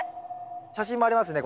写真もありますね